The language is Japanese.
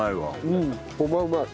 うんごまうまい。